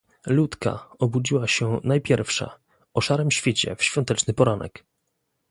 "Ludka obudziła się najpierwsza, o szarym świcie w świąteczny poranek."